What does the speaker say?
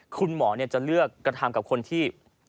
คุณหมอจะเลือกกระทำกับคนที่